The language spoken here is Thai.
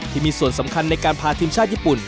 ที่มีส่วนสำคัญในการพาทีมชาติญี่ปุ่น